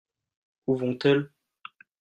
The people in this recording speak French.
Où vont-elles ?